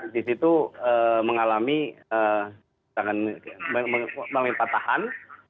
di situ mengalami mengalami patahan